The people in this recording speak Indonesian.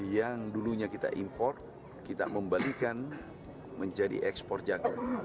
yang dulunya kita import kita membalikan menjadi ekspor jagung